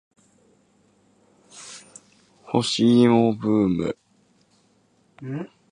干し芋ブーム